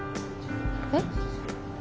えっ？